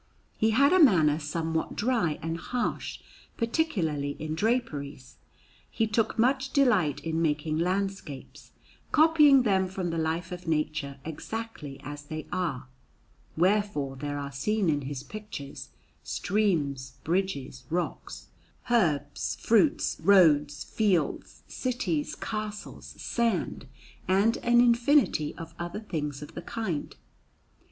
He had a manner somewhat dry and harsh, particularly in draperies. He took much delight in making landscapes, copying them from the life of nature exactly as they are; wherefore there are seen in his pictures streams, bridges, rocks, herbs, fruits, roads, fields, cities, castles, sand, and an infinity of other things of the kind.